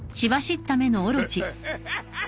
ハハハハ！